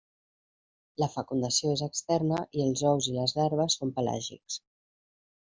La fecundació és externa i els ous i les larves són pelàgics.